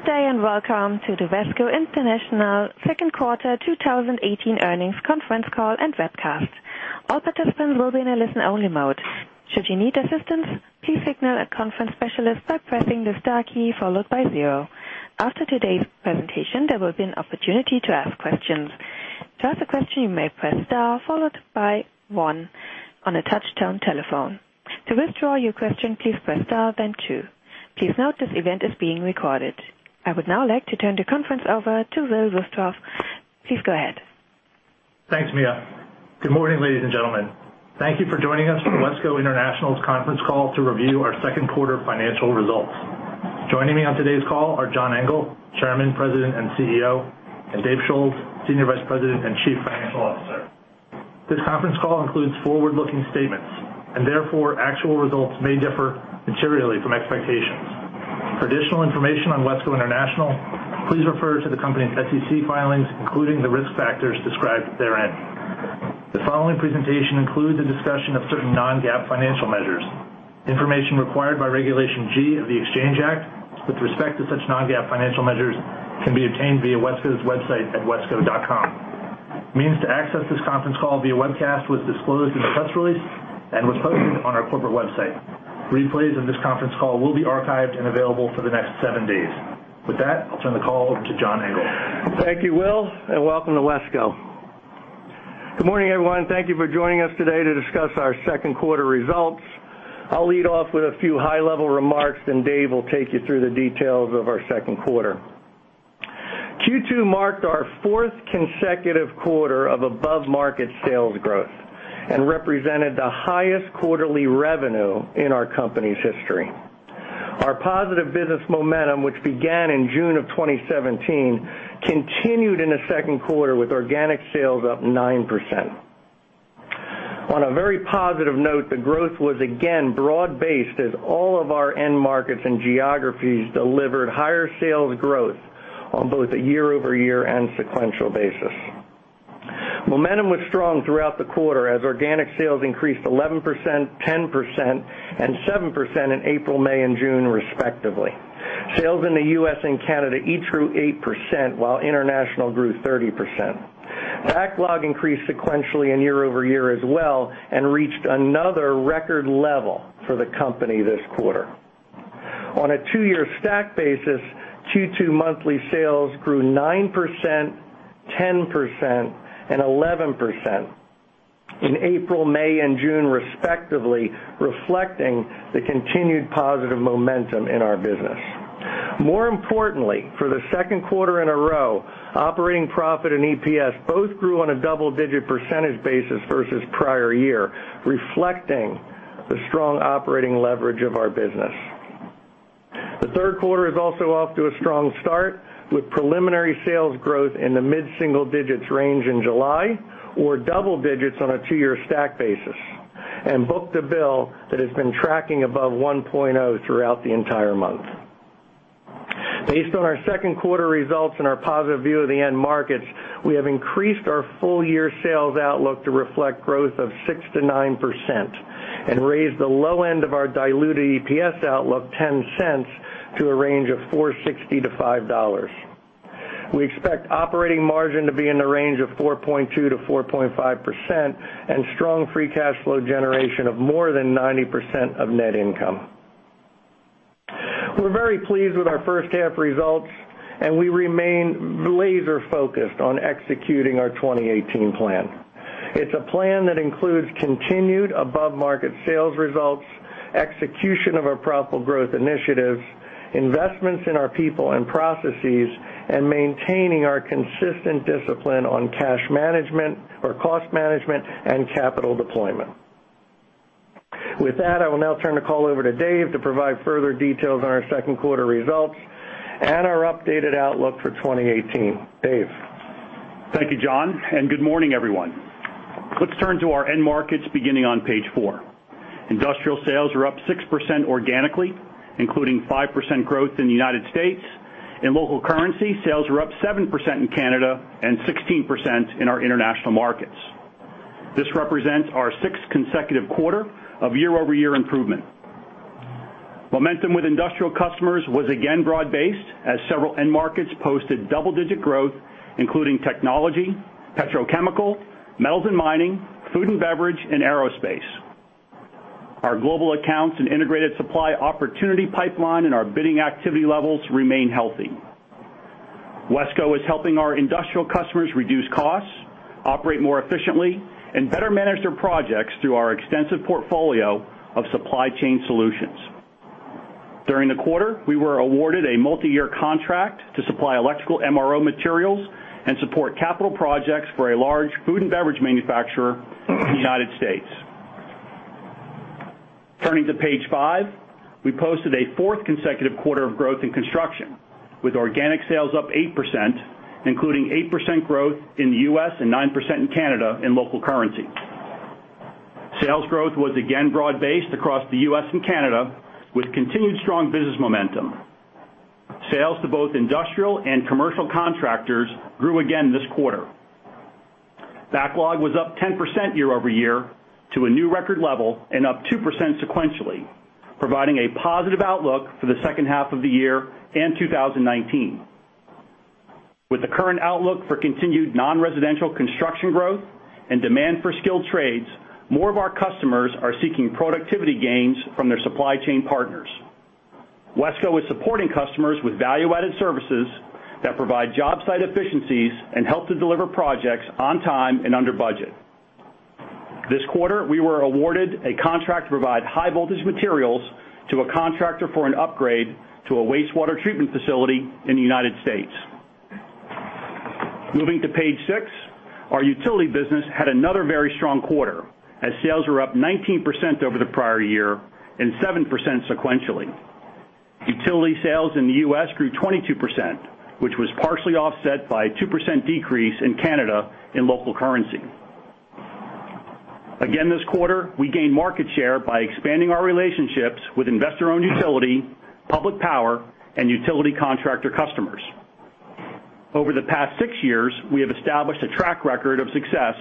Good day, and welcome to the WESCO International second quarter 2018 earnings conference call and webcast. All participants will be in a listen-only mode. Should you need assistance, please signal a conference specialist by pressing the star key followed by zero. After today's presentation, there will be an opportunity to ask questions. To ask a question, you may press star followed by one on a touch-tone telephone. To withdraw your question, please press star, then two. Please note this event is being recorded. I would now like to turn the conference over to Will Ruthrauff. Please go ahead. Thanks, Mia. Good morning, ladies and gentlemen. Thank you for joining us for WESCO International's conference call to review our second quarter financial results. Joining me on today's call are John Engel, Chairman, President, and CEO, and Dave Schulz, Senior Vice President and Chief Financial Officer. This conference call includes forward-looking statements. Therefore, actual results may differ materially from expectations. For additional information on WESCO International, please refer to the company's SEC filings, including the risk factors described therein. The following presentation includes a discussion of certain non-GAAP financial measures. Information required by Regulation G of the Exchange Act with respect to such non-GAAP financial measures can be obtained via WESCO's website at wesco.com. Means to access this conference call via webcast was disclosed in the press release and was posted on our corporate website. Replays of this conference call will be archived and available for the next seven days. With that, I'll turn the call over to John Engel. Thank you, Will, and welcome to WESCO. Good morning, everyone. Thank you for joining us today to discuss our second quarter results. I'll lead off with a few high-level remarks, then Dave will take you through the details of our second quarter. Q2 marked our fourth consecutive quarter of above-market sales growth and represented the highest quarterly revenue in our company's history. Our positive business momentum, which began in June of 2017, continued in the second quarter with organic sales up 9%. On a very positive note, the growth was again broad-based as all of our end markets and geographies delivered higher sales growth on both a year-over-year and sequential basis. Momentum was strong throughout the quarter as organic sales increased 11%, 10%, and 7% in April, May, and June, respectively. Sales in the U.S. and Canada each grew 8%, while international grew 30%. Backlog increased sequentially and year-over-year as well and reached another record level for the company this quarter. On a two-year stack basis, Q2 monthly sales grew 9%, 10%, and 11% in April, May, and June, respectively, reflecting the continued positive momentum in our business. More importantly, for the second quarter in a row, operating profit and EPS both grew on a double-digit percentage basis versus prior year, reflecting the strong operating leverage of our business. The third quarter is also off to a strong start with preliminary sales growth in the mid-single-digits range in July or double digits on a two-year stack basis, and book-to-bill that has been tracking above 1.0 throughout the entire month. Based on our second quarter results and our positive view of the end markets, we have increased our full-year sales outlook to reflect growth of 6%-9% and raised the low end of our diluted EPS outlook $0.10 to a range of $4.60-$5. We expect operating margin to be in the range of 4.2%-4.5% and strong free cash flow generation of more than 90% of net income. We're very pleased with our first-half results, and we remain laser-focused on executing our 2018 plan. It's a plan that includes continued above-market sales results, execution of our profitable growth initiatives, investments in our people and processes, and maintaining our consistent discipline on cash management or cost management and capital deployment. With that, I will now turn the call over to Dave to provide further details on our second quarter results and our updated outlook for 2018. Dave? Thank you, John, and good morning, everyone. Let's turn to our end markets beginning on page four. Industrial sales are up 6% organically, including 5% growth in the U.S. In local currency, sales are up 7% in Canada and 16% in our international markets. This represents our sixth consecutive quarter of year-over-year improvement. Momentum with industrial customers was again broad-based as several end markets posted double-digit growth, including technology, petrochemical, metals and mining, food and beverage, and aerospace. Our global accounts and integrated supply opportunity pipeline and our bidding activity levels remain healthy. WESCO is helping our industrial customers reduce costs, operate more efficiently, and better manage their projects through our extensive portfolio of supply chain solutions. During the quarter, we were awarded a multi-year contract to supply electrical MRO materials and support capital projects for a large food and beverage manufacturer in the U.S. Turning to page five, we posted a fourth consecutive quarter of growth in construction with organic sales up 8%, including 8% growth in the U.S. and 9% in Canada in local currency. Sales growth was again broad-based across the U.S. and Canada with continued strong business momentum. Sales to both industrial and commercial contractors grew again this quarter. Backlog was up 10% year-over-year to a new record level and up 2% sequentially, providing a positive outlook for the second half of the year and 2019. With the current outlook for continued non-residential construction growth and demand for skilled trades, more of our customers are seeking productivity gains from their supply chain partners. WESCO is supporting customers with value-added services that provide job site efficiencies and help to deliver projects on time and under budget. This quarter, we were awarded a contract to provide high voltage materials to a contractor for an upgrade to a wastewater treatment facility in the U.S. Moving to page six, our utility business had another very strong quarter as sales were up 19% over the prior year and 7% sequentially. Utility sales in the U.S. grew 22%, which was partially offset by a 2% decrease in Canada in local currency. Again, this quarter, we gained market share by expanding our relationships with investor-owned utility, public power, and utility contractor customers. Over the past six years, we have established a track record of success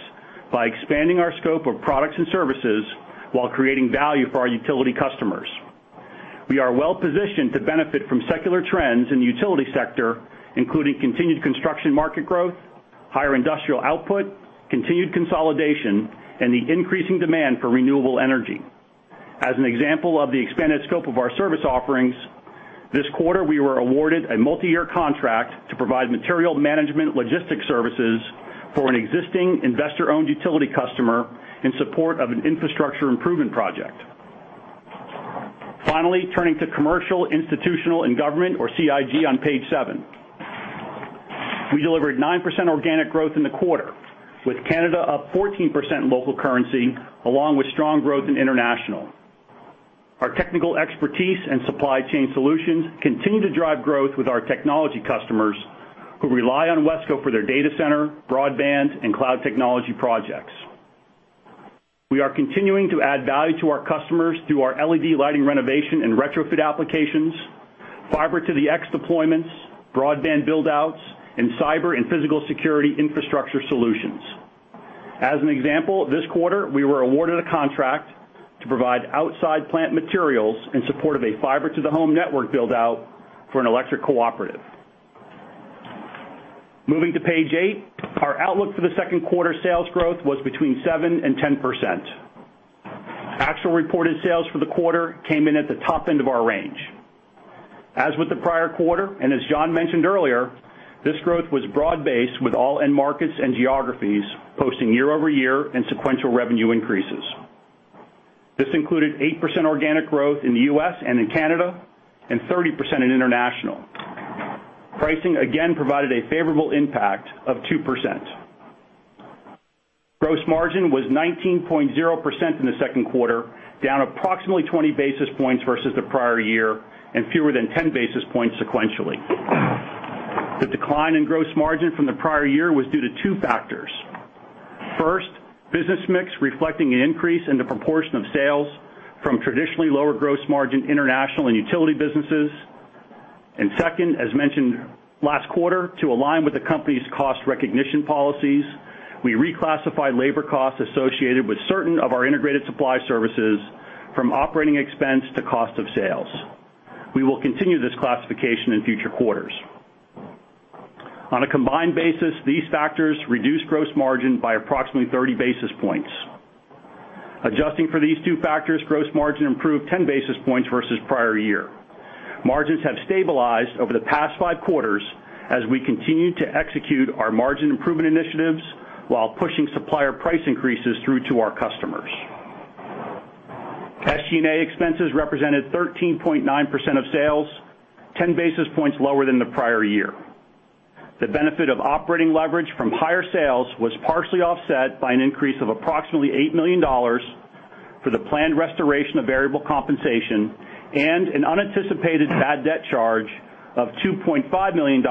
by expanding our scope of products and services while creating value for our utility customers. We are well positioned to benefit from secular trends in the utility sector, including continued construction market growth, higher industrial output, continued consolidation, and the increasing demand for renewable energy. As an example of the expanded scope of our service offerings, this quarter, we were awarded a multi-year contract to provide material management logistics services for an existing investor-owned utility customer in support of an infrastructure improvement project. Finally, turning to commercial, institutional, and government or CIG on page seven. We delivered 9% organic growth in the quarter, with Canada up 14% in local currency along with strong growth in international. Our technical expertise and supply chain solutions continue to drive growth with our technology customers who rely on WESCO for their data center, broadband, and cloud technology projects. We are continuing to add value to our customers through our LED lighting renovation and retrofit applications, fiber to the x deployments, broadband build-outs, and cyber and physical security infrastructure solutions. As an example, this quarter, we were awarded a contract to provide outside plant materials in support of a fiber to the home network build-out for an electric cooperative. Moving to page eight, our outlook for the second quarter sales growth was between 7% and 10%. Actual reported sales for the quarter came in at the top end of our range. As with the prior quarter, and as John mentioned earlier, this growth was broad-based with all end markets and geographies posting year-over-year and sequential revenue increases. This included 8% organic growth in the U.S. and in Canada and 30% in international. Pricing again provided a favorable impact of 2%. Gross margin was 19.0% in the second quarter, down approximately 20 basis points versus the prior year and fewer than 10 basis points sequentially. The decline in gross margin from the prior year was due to two factors. First, business mix reflecting an increase in the proportion of sales from traditionally lower gross margin international and utility businesses. Second, as mentioned last quarter, to align with the company's cost recognition policies, we reclassified labor costs associated with certain of our integrated supply services from operating expense to cost of sales. We will continue this classification in future quarters. On a combined basis, these factors reduced gross margin by approximately 30 basis points. Adjusting for these two factors, gross margin improved 10 basis points versus prior year. Margins have stabilized over the past five quarters as we continue to execute our margin improvement initiatives while pushing supplier price increases through to our customers. SG&A expenses represented 13.9% of sales, 10 basis points lower than the prior year. The benefit of operating leverage from higher sales was partially offset by an increase of approximately $8 million for the planned restoration of variable compensation and an unanticipated bad debt charge of $2.5 million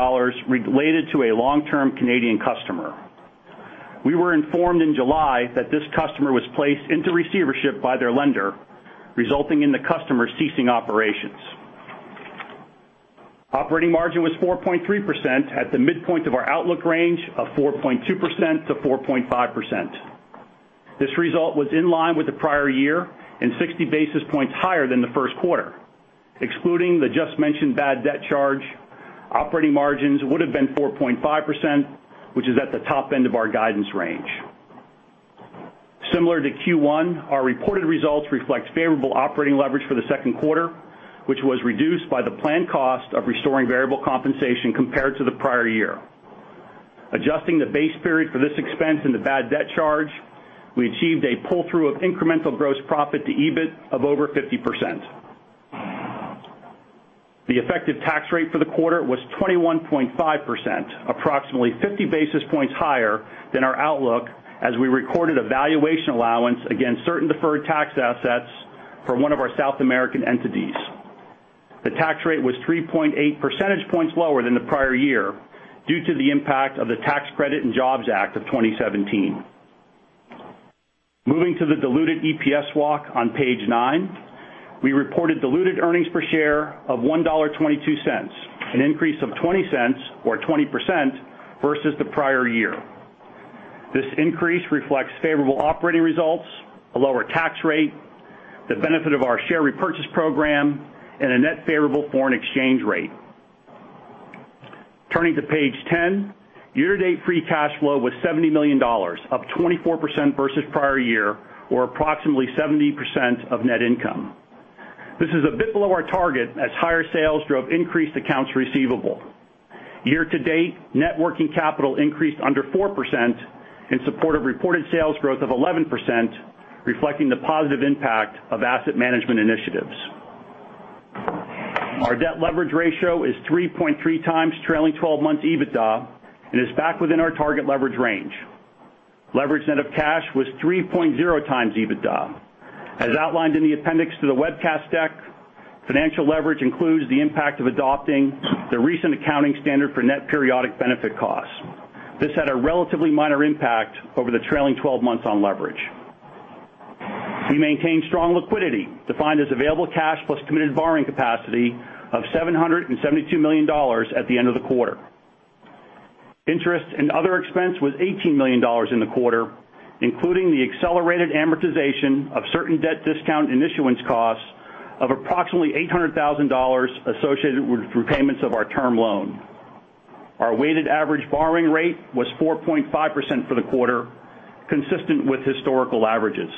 related to a long-term Canadian customer. We were informed in July that this customer was placed into receivership by their lender, resulting in the customer ceasing operations. Operating margin was 4.3% at the midpoint of our outlook range of 4.2%-4.5%. This result was in line with the prior year and 60 basis points higher than the first quarter. Excluding the just mentioned bad debt charge, operating margins would have been 4.5%, which is at the top end of our guidance range. Similar to Q1, our reported results reflect favorable operating leverage for the second quarter, which was reduced by the planned cost of restoring variable compensation compared to the prior year. Adjusting the base period for this expense and the bad debt charge, we achieved a pull-through of incremental gross profit to EBIT of over 50%. The effective tax rate for the quarter was 21.5%, approximately 50 basis points higher than our outlook as we recorded a valuation allowance against certain deferred tax assets for one of our South American entities. The tax rate was 3.8 percentage points lower than the prior year due to the impact of the Tax Cuts and Jobs Act of 2017. Moving to the diluted EPS walk on page nine. We reported diluted earnings per share of $1.22, an increase of $0.20 or 20% versus the prior year. This increase reflects favorable operating results, a lower tax rate, the benefit of our share repurchase program, and a net favorable foreign exchange rate. Turning to page 10, year-to-date free cash flow was $70 million, up 24% versus prior year or approximately 70% of net income. This is a bit below our target as higher sales drove increased accounts receivable. Year to date, net working capital increased under 4% in support of reported sales growth of 11%, reflecting the positive impact of asset management initiatives. Our debt leverage ratio is 3.3 times trailing 12 months EBITDA and is back within our target leverage range. Leveraged net of cash was 3.0 times EBITDA. As outlined in the appendix to the webcast deck, financial leverage includes the impact of adopting the recent accounting standard for net periodic benefit costs. This had a relatively minor impact over the trailing 12 months on leverage. We maintained strong liquidity, defined as available cash plus committed borrowing capacity of $772 million at the end of the quarter. Interest and other expense was $18 million in the quarter, including the accelerated amortization of certain debt discount and issuance costs of approximately $800,000 associated with repayments of our term loan. Our weighted average borrowing rate was 4.5% for the quarter, consistent with historical averages.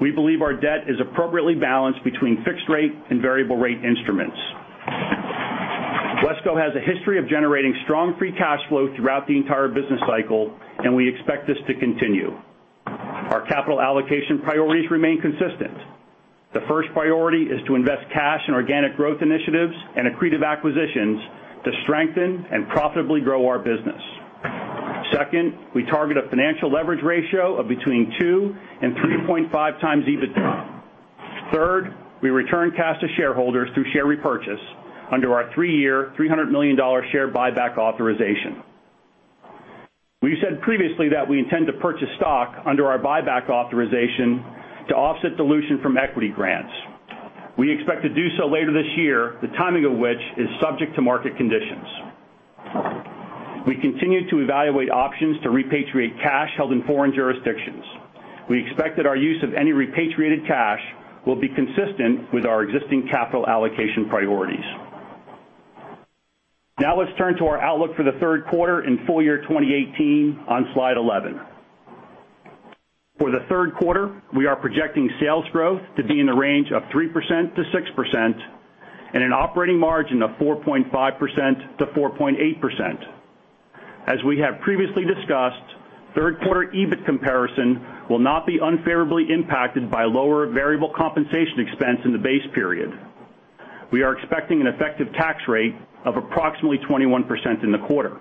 We believe our debt is appropriately balanced between fixed rate and variable rate instruments. WESCO has a history of generating strong free cash flow throughout the entire business cycle, and we expect this to continue. Our capital allocation priorities remain consistent. The first priority is to invest cash in organic growth initiatives and accretive acquisitions to strengthen and profitably grow our business. Second, we target a financial leverage ratio of between two and 3.5 times EBITDA. Third, we return cash to shareholders through share repurchase under our three-year, $300 million share buyback authorization. We said previously that we intend to purchase stock under our buyback authorization to offset dilution from equity grants. We expect to do so later this year, the timing of which is subject to market conditions. We continue to evaluate options to repatriate cash held in foreign jurisdictions. We expect that our use of any repatriated cash will be consistent with our existing capital allocation priorities. Now let's turn to our outlook for the third quarter and full year 2018 on slide 11. For the third quarter, we are projecting sales growth to be in the range of 3%-6% and an operating margin of 4.5%-4.8%. As we have previously discussed, third quarter EBIT comparison will not be unfavorably impacted by lower variable compensation expense in the base period. We are expecting an effective tax rate of approximately 21% in the quarter.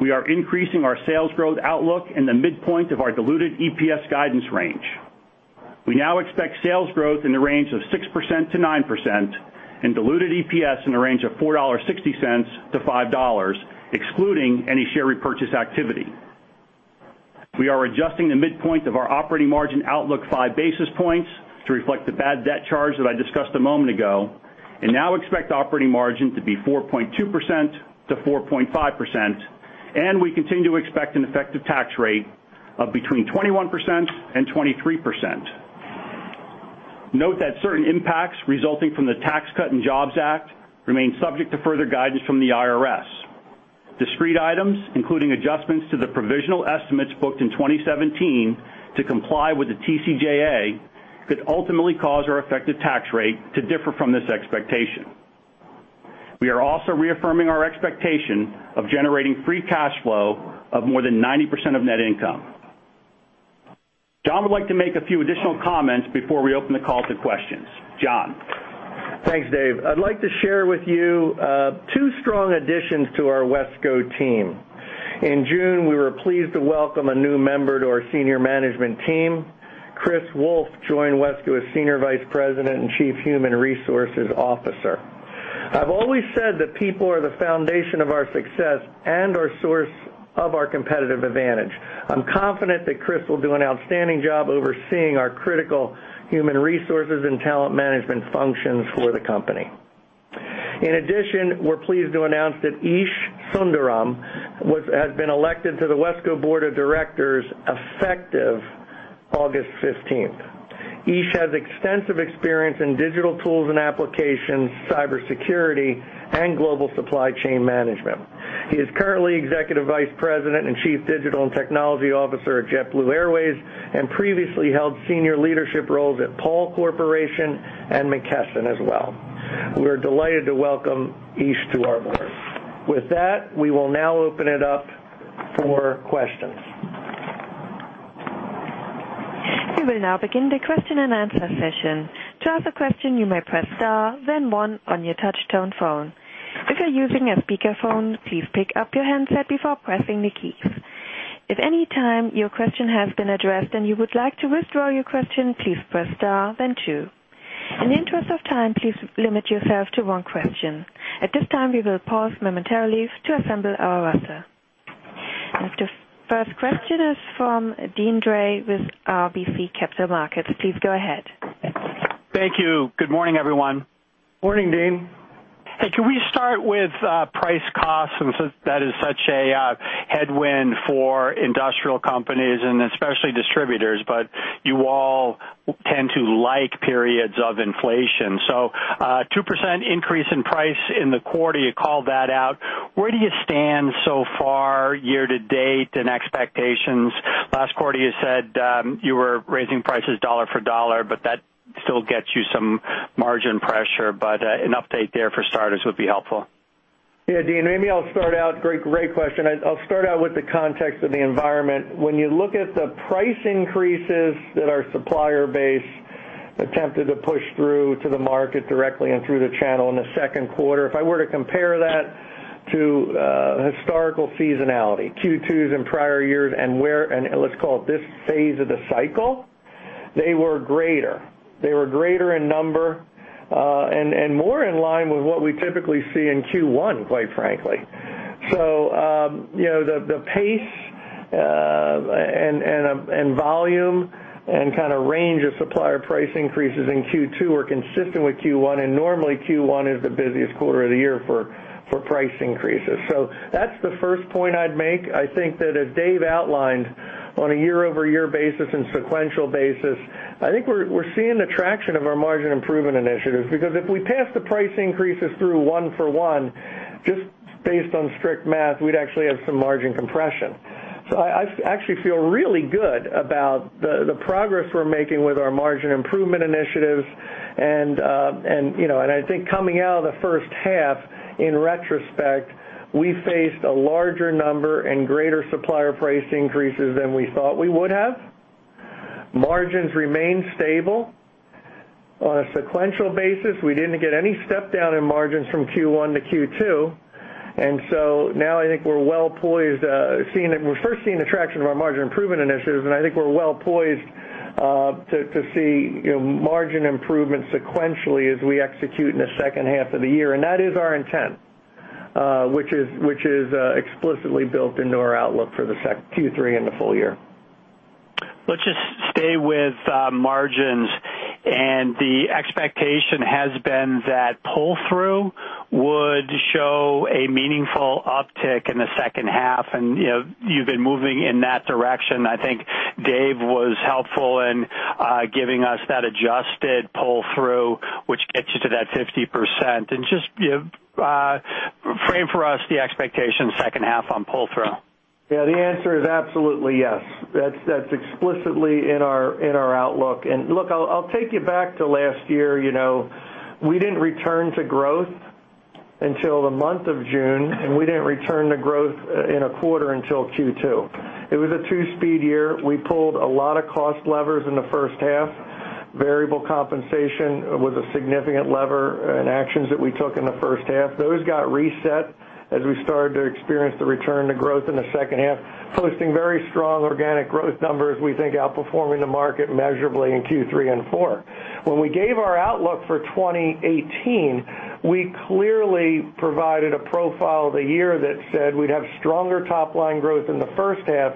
We are increasing our sales growth outlook in the midpoint of our diluted EPS guidance range. We now expect sales growth in the range of 6%-9% and diluted EPS in the range of $4.60-$5, excluding any share repurchase activity. We are adjusting the midpoint of our operating margin outlook five basis points to reflect the bad debt charge that I discussed a moment ago and now expect operating margin to be 4.2%-4.5%, and we continue to expect an effective tax rate of between 21% and 23%. Note that certain impacts resulting from the Tax Cuts and Jobs Act remain subject to further guidance from the IRS. Discrete items, including adjustments to the provisional estimates booked in 2017 to comply with the TCJA, could ultimately cause our effective tax rate to differ from this expectation. We are also reaffirming our expectation of generating free cash flow of more than 90% of net income. John would like to make a few additional comments before we open the call to questions. John. Thanks, Dave. I'd like to share with you two strong additions to our WESCO team. In June, we were pleased to welcome a new member to our senior management team. Chris Wolf joined WESCO as Senior Vice President and Chief Human Resources Officer. I've always said that people are the foundation of our success and our source of our competitive advantage. I'm confident that Chris will do an outstanding job overseeing our critical human resources and talent management functions for the company. In addition, we're pleased to announce that Esh Sundaram has been elected to the WESCO Board of Directors, effective August 15th. Esh has extensive experience in digital tools and applications, cybersecurity, and global supply chain management. He is currently Executive Vice President and Chief Digital and Technology Officer at JetBlue Airways and previously held senior leadership roles at Pall Corporation and McKesson as well. We're delighted to welcome Esh to our board. With that, we will now open it up for questions. We will now begin the question and answer session. To ask a question, you may press star then one on your touchtone phone. If you're using a speakerphone, please pick up your handset before pressing the keys. If any time your question has been addressed and you would like to withdraw your question, please press star then two. In the interest of time, please limit yourself to one question. At this time, we will pause momentarily to assemble our roster. The first question is from Deane Dray with RBC Capital Markets. Please go ahead. Thank you. Good morning, everyone. Morning, Deane. Hey, can we start with price costs? Since that is such a headwind for industrial companies and especially distributors, you all tend to like periods of inflation. 2% increase in price in the quarter, you called that out. Where do you stand so far year-to-date in expectations? Last quarter, you said you were raising prices dollar-for-dollar, that still gets you some margin pressure. An update there for starters would be helpful. Yeah, Deane, maybe I'll start out. Great question. I'll start out with the context of the environment. When you look at the price increases that our supplier base attempted to push through to the market directly and through the channel in the second quarter, if I were to compare that to historical seasonality, Q2s in prior years and where, let's call it this phase of the cycle, they were greater. They were greater in number, and more in line with what we typically see in Q1, quite frankly. The pace and volume and kind of range of supplier price increases in Q2 are consistent with Q1, and normally Q1 is the busiest quarter of the year for price increases. That's the first point I'd make. I think that as Dave outlined on a year-over-year basis and sequential basis, I think we're seeing the traction of our margin improvement initiatives. If we pass the price increases through one-for-one, just based on strict math, we'd actually have some margin compression. I actually feel really good about the progress we're making with our margin improvement initiatives. I think coming out of the first half, in retrospect, we faced a larger number and greater supplier price increases than we thought we would have. Margins remained stable. On a sequential basis, we didn't get any step-down in margins from Q1 to Q2. Now I think we're well-poised. We're first seeing the traction of our margin improvement initiatives, and I think we're well-poised to see margin improvement sequentially as we execute in the second half of the year. That is our intent, which is explicitly built into our outlook for the Q3 and the full year. Let's just stay with margins. The expectation has been that pull-through would show a meaningful uptick in the second half, and you've been moving in that direction. I think Dave was helpful in giving us that adjusted pull-through, which gets you to that 50%. Just frame for us the expectation second half on pull-through. Yeah, the answer is absolutely yes. That's explicitly in our outlook. Look, I'll take you back to last year. We didn't return to growth until the month of June, and we didn't return to growth in a quarter until Q2. It was a two-speed year. We pulled a lot of cost levers in the first half. Variable compensation was a significant lever in actions that we took in the first half. Those got reset as we started to experience the return to growth in the second half, posting very strong organic growth numbers, we think outperforming the market measurably in Q3 and four. When we gave our outlook for 2018, we clearly provided a profile of the year that said we'd have stronger top-line growth in the first half,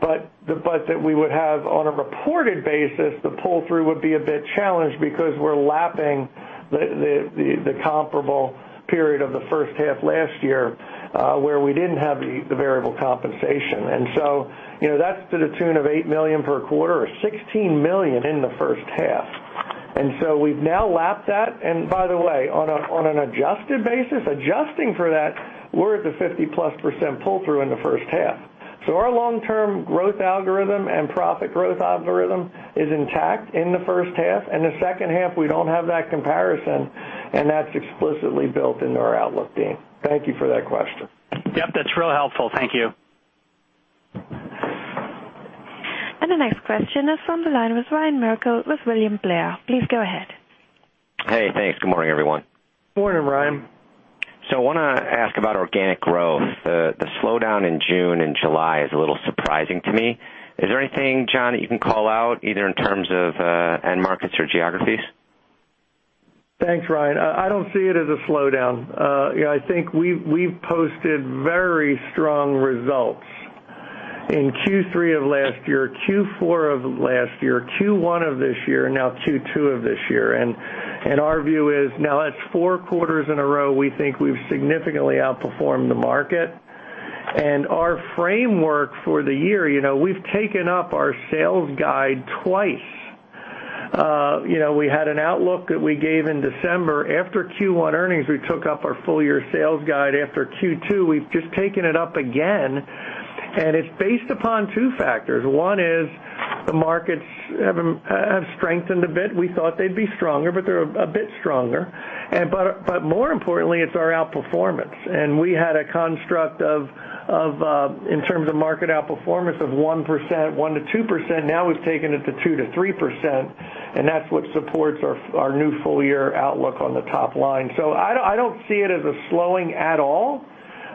but that we would have, on a reported basis, the pull-through would be a bit challenged because we're lapping the comparable period of the first half last year, where we didn't have the variable compensation. That's to the tune of $8 million per quarter or $16 million in the first half. We've now lapped that. By the way, on an adjusted basis, adjusting for that, we're at the 50%-plus pull-through in the first half. Our long-term growth algorithm and profit growth algorithm is intact in the first half. In the second half, we don't have that comparison, and that's explicitly built into our outlook, Deane. Thank you for that question. Yep, that's real helpful. Thank you. The next question is on the line with Ryan Merkel with William Blair. Please go ahead. Hey, thanks. Good morning, everyone. Morning, Ryan. I want to ask about organic growth. The slowdown in June and July is a little surprising to me. Is there anything, John, that you can call out, either in terms of end markets or geographies? Thanks, Ryan. I don't see it as a slowdown. I think we've posted very strong results in Q3 of last year, Q4 of last year, Q1 of this year, and now Q2 of this year. Our view is now that's four quarters in a row, we think we've significantly outperformed the market. Our framework for the year, we've taken up our sales guide twice. We had an outlook that we gave in December. After Q1 earnings, we took up our full-year sales guide. After Q2, we've just taken it up again, and it's based upon two factors. One is the markets have strengthened a bit. We thought they'd be stronger, but they're a bit stronger. But more importantly, it's our outperformance. We had a construct of, in terms of market outperformance of 1%, 1%-2%. Now we've taken it to 2%-3%, that's what supports our new full-year outlook on the top line. I don't see it as a slowing at all.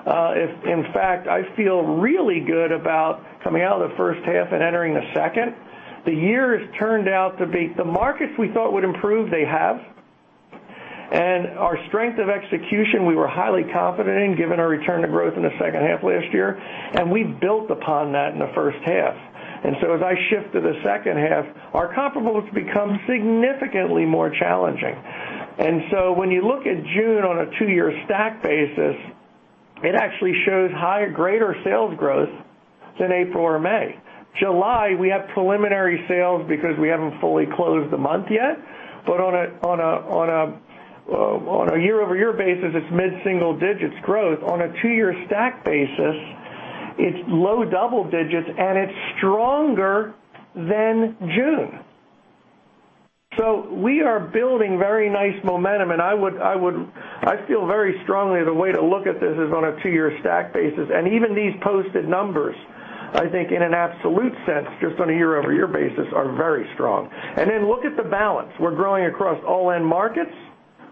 In fact, I feel really good about coming out of the first half and entering the second. The markets we thought would improve, they have. Our strength of execution, we were highly confident in, given our return to growth in the second half last year, we built upon that in the first half. As I shift to the second half, our comparables become significantly more challenging. When you look at June on a two-year stack basis, it actually shows higher, greater sales growth than April or May. July, we have preliminary sales because we haven't fully closed the month yet. On a year-over-year basis, it's mid-single digits growth. On a two-year stack basis, it's low double digits, it's stronger than June. We are building very nice momentum, I feel very strongly the way to look at this is on a two-year stack basis. Even these posted numbers, I think in an absolute sense, just on a year-over-year basis, are very strong. Look at the balance. We're growing across all end markets.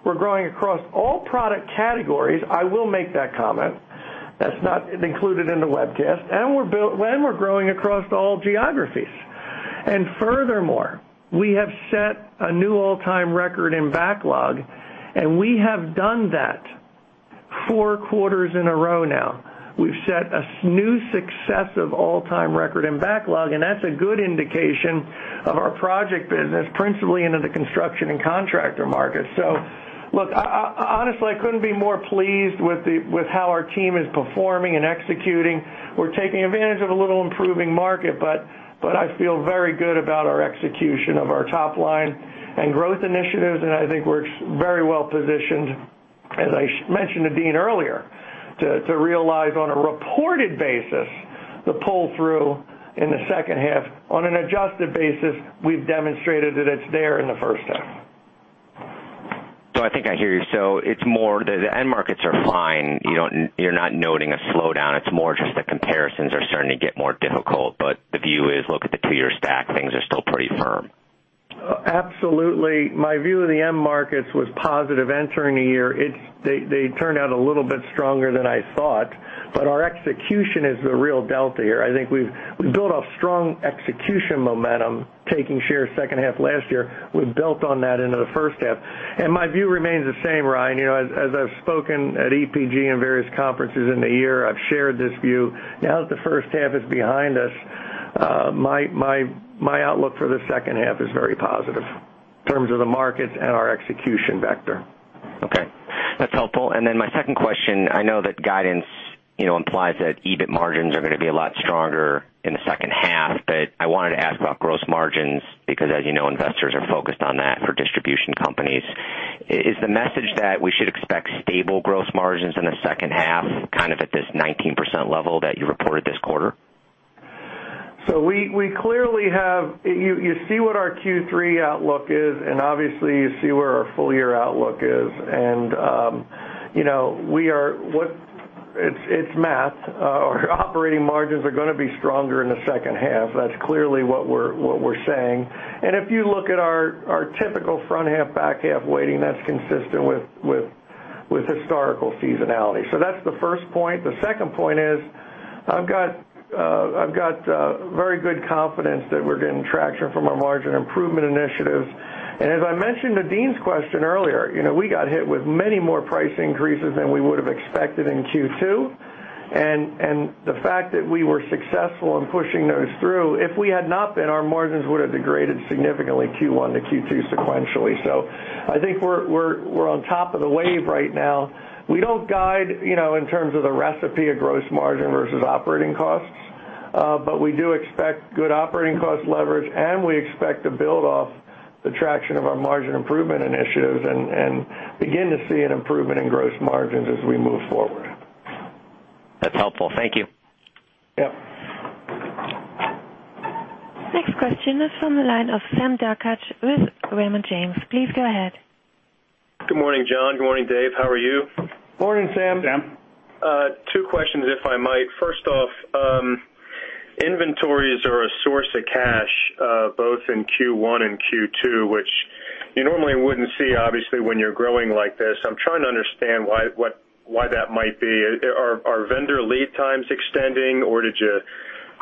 We're growing across all product categories. I will make that comment. That's not included in the webcast. We're growing across all geographies. Furthermore, we have set a new all-time record in backlog, we have done that four quarters in a row now. We've set a new successive all-time record in backlog, that's a good indication of our project business, principally into the construction and contractor market. Look, honestly, I couldn't be more pleased with how our team is performing and executing. We're taking advantage of a little improving market, but I feel very good about our execution of our top line and growth initiatives, and I think we're very well-positioned, as I mentioned to Deane earlier, to realize on a reported basis, the pull-through in the second half. On an adjusted basis, we've demonstrated that it's there in the first half. I think I hear you. It's more the end markets are fine. You're not noting a slowdown. It's more just the comparisons are starting to get more difficult. The view is, look at the two-year stack. Things are still pretty firm. Absolutely. My view of the end markets was positive entering the year. They turned out a little bit stronger than I thought, our execution is the real delta here. I think we've built a strong execution momentum, taking share second half last year. We've built on that into the first half, my view remains the same, Ryan. As I've spoken at EPG and various conferences in the year, I've shared this view. Now that the first half is behind us, my outlook for the second half is very positive in terms of the markets and our execution vector. Okay. That's helpful. My second question, I know that guidance implies that EBIT margins are going to be a lot stronger in the second half, I wanted to ask about gross margins because, as you know, investors are focused on that for distribution companies. Is the message that we should expect stable gross margins in the second half, kind of at this 19% level that you reported this quarter? You see what our Q3 outlook is, and obviously, you see where our full-year outlook is. It's math. Our operating margins are going to be stronger in the second half. That's clearly what we're saying. If you look at our typical front-half, back-half weighting, that's consistent with historical seasonality. That's the first point. The second point is I've got very good confidence that we're getting traction from our margin improvement initiatives. As I mentioned to Deane's question earlier, we got hit with many more price increases than we would have expected in Q2. The fact that we were successful in pushing those through, if we had not been, our margins would have degraded significantly Q1 to Q2 sequentially. I think we're on top of the wave right now. We don't guide in terms of the recipe of gross margin versus operating costs. We do expect good operating cost leverage, and we expect to build off the traction of our margin improvement initiatives and begin to see an improvement in gross margins as we move forward. That's helpful. Thank you. Yep. Next question is from the line of Sam Darkatsh with Raymond James. Please go ahead. Good morning, John. Good morning, Dave. How are you? Morning, Sam. Sam. Two questions, if I might. First off, inventories are a source of cash both in Q1 and Q2, which you normally wouldn't see, obviously, when you're growing like this. I'm trying to understand why that might be. Are vendor lead times extending, or did you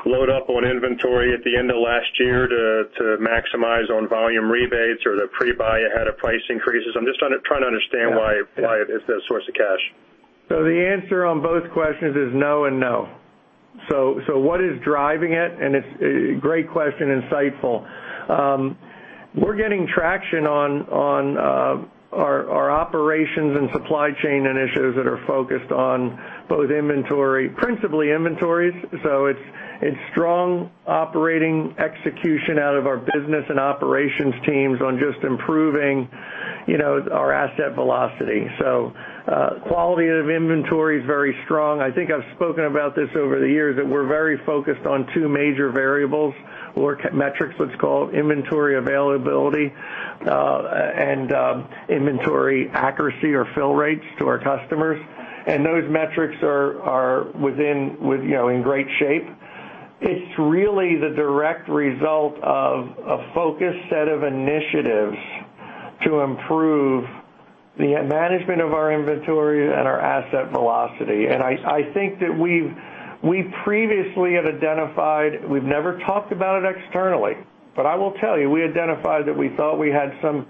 load up on inventory at the end of last year to maximize on volume rebates or the pre-buy ahead of price increases? I'm just trying to understand why it's a source of cash. The answer on both questions is no and no. What is driving it? It's a great question, insightful. We're getting traction on our operations and supply chain initiatives that are focused on both inventory, principally inventories. It's strong operating execution out of our business and operations teams on just improving our asset velocity. Quality of inventory is very strong. I think I've spoken about this over the years, that we're very focused on two major variables or metrics, let's call it, inventory availability and inventory accuracy or fill rates to our customers. Those metrics are in great shape. It's really the direct result of a focused set of initiatives To improve the management of our inventory and our asset velocity. I think that we previously had identified, we've never talked about it externally, but I will tell you, we identified that we thought we had some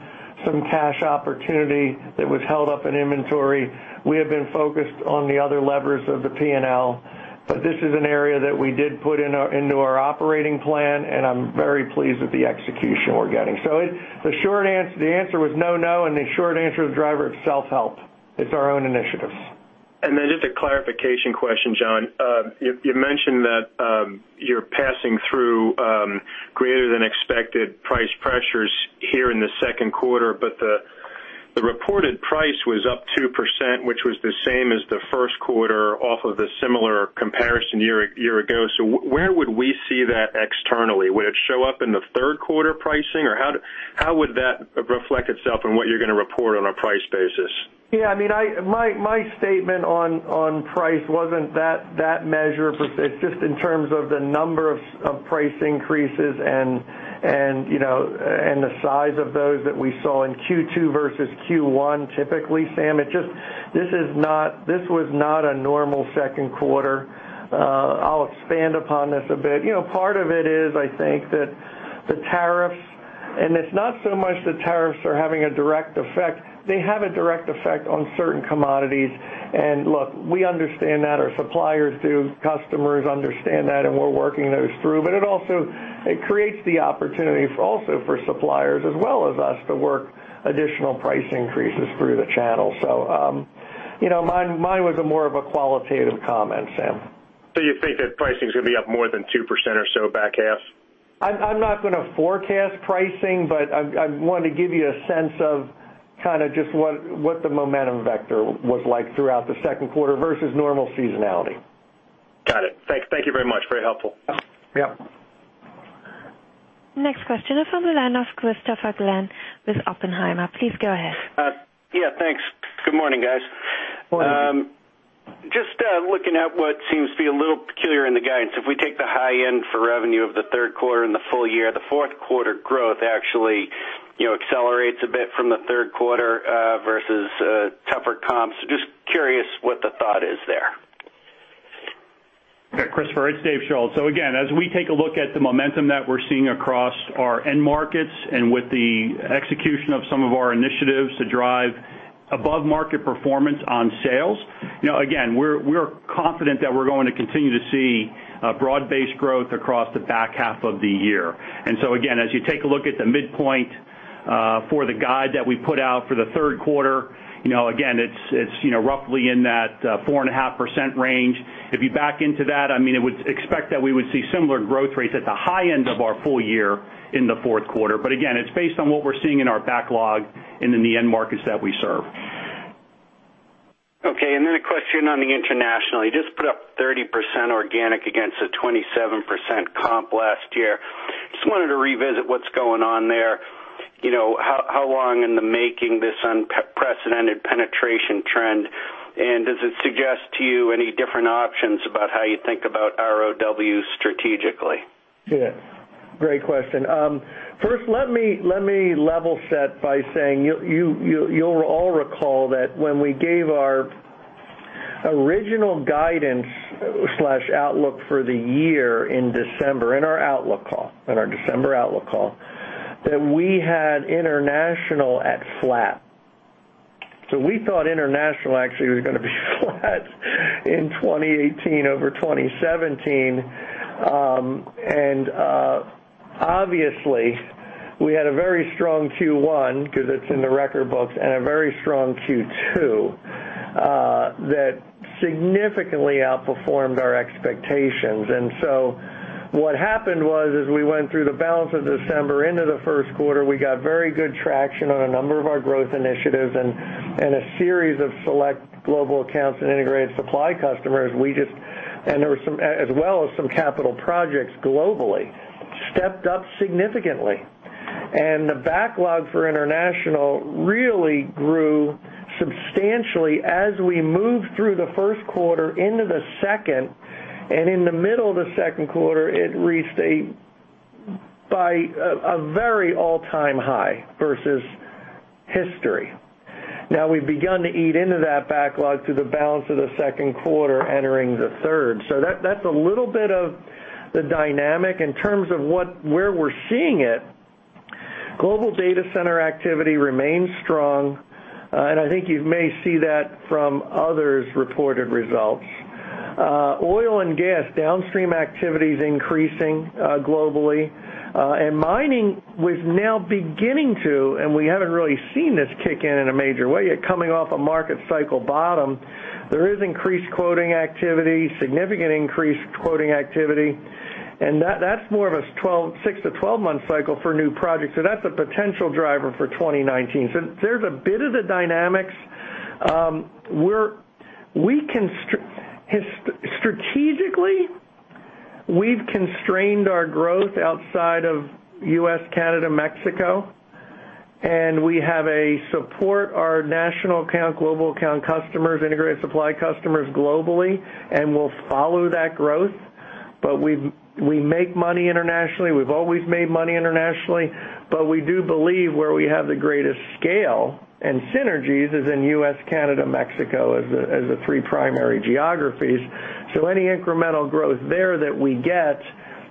cash opportunity that was held up in inventory. We have been focused on the other levers of the P&L, but this is an area that we did put into our operating plan, and I'm very pleased with the execution we're getting. The answer was no, and the short answer of the driver is self-help. It's our own initiative. Just a clarification question, John. You mentioned that you're passing through greater than expected price pressures here in the second quarter, but the reported price was up 2%, which was the same as the first quarter off of the similar comparison year ago. Where would we see that externally? Would it show up in the third quarter pricing? How would that reflect itself on what you're going to report on a price basis? My statement on price wasn't that measure. It's just in terms of the number of price increases and the size of those that we saw in Q2 versus Q1. Typically, Sam, this was not a normal second quarter. I'll expand upon this a bit. Part of it is I think that the tariffs, and it's not so much the tariffs are having a direct effect. They have a direct effect on certain commodities. Look, we understand that. Our suppliers do. Customers understand that, and we're working those through. It creates the opportunity also for suppliers as well as us to work additional price increases through the channel. Mine was more of a qualitative comment, Sam. You think that pricing is going to be up more than 2% or so back half? I'm not going to forecast pricing, but I wanted to give you a sense of kind of just what the momentum vector was like throughout the second quarter versus normal seasonality. Got it. Thank you very much. Very helpful. Yeah. Next question is on the line of Christopher Glynn with Oppenheimer. Please go ahead. Yeah, thanks. Good morning, guys. Morning. Just looking at what seems to be a little peculiar in the guidance. If we take the high end for revenue of the third quarter and the full year, the fourth quarter growth actually accelerates a bit from the third quarter versus tougher comps. Just curious what the thought is there. Christopher, it's Dave Schulz. Again, as we take a look at the momentum that we're seeing across our end markets and with the execution of some of our initiatives to drive above-market performance on sales. Again, we're confident that we're going to continue to see broad-based growth across the back half of the year. Again, as you take a look at the midpoint for the guide that we put out for the third quarter, again, it's roughly in that 4.5% range. If you back into that, it would expect that we would see similar growth rates at the high end of our full year in the fourth quarter. Again, it's based on what we're seeing in our backlog and in the end markets that we serve. Okay, a question on the international. You just put up 30% organic against a 27% comp last year. Just wanted to revisit what's going on there. How long in the making this unprecedented penetration trend? Does it suggest to you any different options about how you think about ROW strategically? Yeah. Great question. First, let me level set by saying, you'll all recall that when we gave our original guidance/outlook for the year in December, in our December outlook call, that we had international at flat. We thought international actually was going to be flat in 2018 over 2017. Obviously, we had a very strong Q1 because it's in the record books, and a very strong Q2 that significantly outperformed our expectations. What happened was, as we went through the balance of December into the first quarter, we got very good traction on a number of our growth initiatives and a series of select global accounts and integrated supply customers. As well as some capital projects globally, stepped up significantly. The backlog for international really grew substantially as we moved through the first quarter into the second, and in the middle of the second quarter, it reached a very all-time high versus history. We've begun to eat into that backlog through the balance of the second quarter entering the third. That's a little bit of the dynamic. In terms of where we're seeing it, global data center activity remains strong, and I think you may see that from others' reported results. Oil and gas downstream activity is increasing globally. Mining was now beginning to, we haven't really seen this kick in a major way yet coming off a market cycle bottom. There is increased quoting activity, significant increased quoting activity, and that's more of a 6-12 month cycle for new projects. That's a potential driver for 2019. There's a bit of the dynamics. Strategically, we've constrained our growth outside of U.S., Canada, Mexico, we have a support our national account, global account customers, integrated supply customers globally, we'll follow that growth. We make money internationally. We've always made money internationally, we do believe where we have the greatest scale and synergies is in U.S., Canada, Mexico as the three primary geographies. Any incremental growth there that we get,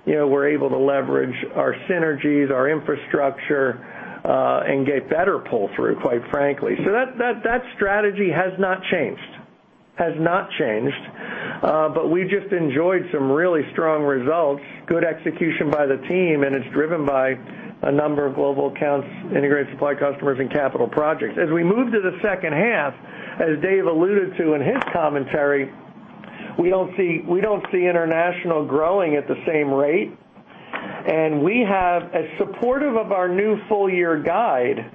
we're able to leverage our synergies, our infrastructure, and get better pull-through, quite frankly. That strategy has not changed. We just enjoyed some really strong results, good execution by the team, and it's driven by a number of global accounts, integrated supply customers, and capital projects. As we move to the second half, as Dave alluded to in his commentary, we don't see international growing at the same rate, as supportive of our new full-year guide,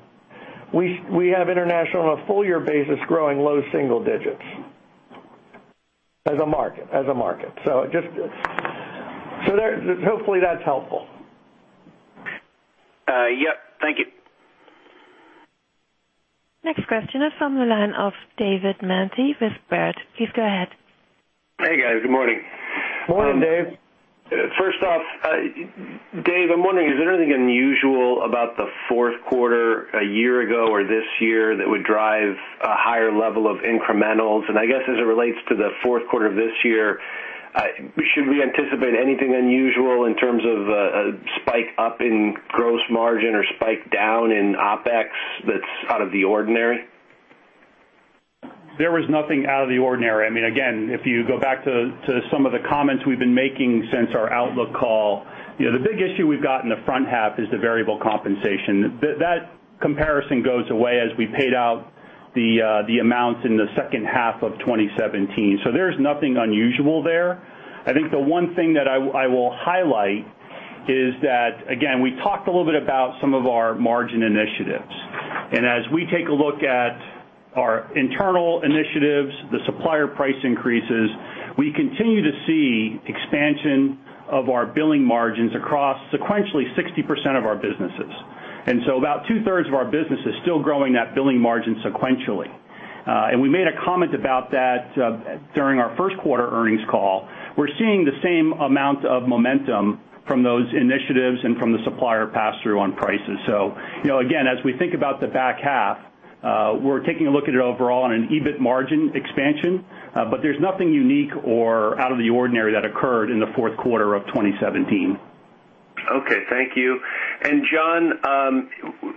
we have international on a full-year basis growing low single digits as a market. Hopefully that's helpful. Yep. Thank you. Next question is from the line of David Manthey with Baird. Please go ahead. Hey, guys. Good morning. Morning, Dave. First off, Dave, I'm wondering, is there anything unusual about the fourth quarter a year ago or this year that would drive a higher level of incrementals? I guess as it relates to the fourth quarter of this year, should we anticipate anything unusual in terms of a spike up in gross margin or spike down in OpEx that's out of the ordinary? There was nothing out of the ordinary. Again, if you go back to some of the comments we've been making since our outlook call, the big issue we've got in the front half is the variable compensation. That comparison goes away as we paid out the amounts in the second half of 2017. There's nothing unusual there. I think the one thing that I will highlight is that, again, we talked a little bit about some of our margin initiatives. As we take a look at our internal initiatives, the supplier price increases, we continue to see expansion of our billing margins across sequentially 60% of our businesses. About two-thirds of our business is still growing that billing margin sequentially. We made a comment about that during our first quarter earnings call. We're seeing the same amount of momentum from those initiatives and from the supplier pass-through on prices. Again, as we think about the back half, we're taking a look at it overall on an EBIT margin expansion. There's nothing unique or out of the ordinary that occurred in the fourth quarter of 2017. Okay. Thank you. John,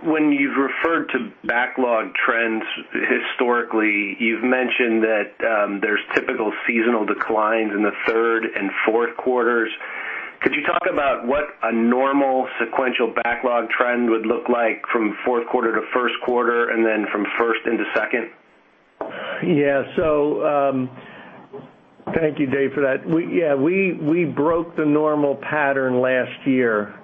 when you've referred to backlog trends historically, you've mentioned that there's typical seasonal declines in the third and fourth quarters. Could you talk about what a normal sequential backlog trend would look like from fourth quarter to first quarter, and then from first into second? Thank you, Dave, for that. We broke the normal pattern last year,